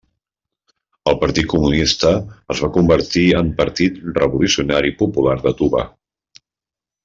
El partit comunista es va convertir en Partit Revolucionari Popular de Tuva.